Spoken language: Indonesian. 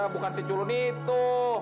bukan si culun itu